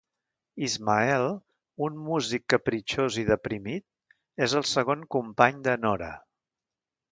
Ismael, un músic capritxós i deprimit, és el segon company de Nora.